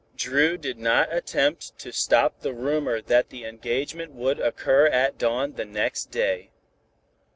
Dru did not attempt to stop the rumor that the engagement would occur at dawn the next day.